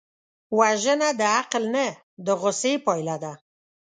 وژنه د عقل نه، د غصې پایله ده